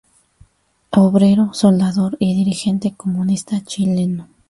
Obrero, soldador y dirigente comunista chileno.